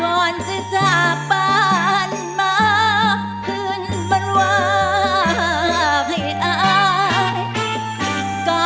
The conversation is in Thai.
ก่อนจะจากบ้านมาขึ้นบรรวาให้อาย